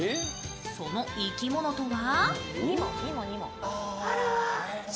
その生き物とは？